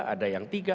ada yang tiga